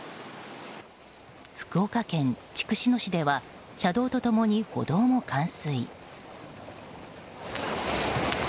福岡県筑紫野市では車道と共に歩道も冠水。